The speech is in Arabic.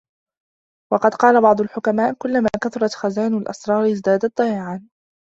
وَقَدْ قَالَ بَعْضُ الْحُكَمَاءِ كُلَّمَا كَثُرَتْ خِزَانُ الْأَسْرَارِ ازْدَادَتْ ضَيَاعًا